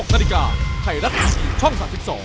๑๖นาฬิกาไข่รัฐอีกช่อง๓๒